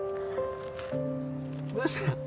どうした？